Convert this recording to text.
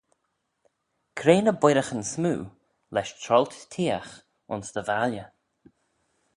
Cre ny boiraghyn smoo lesh troailt theayagh ayns dty valley?